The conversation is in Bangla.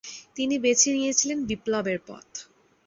তিনি বেছে নিয়েছিলেন বিপ্লবের পথ।